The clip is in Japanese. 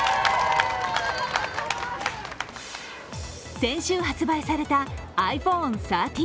先週発売されたｉＰｈｏｎｅ１３。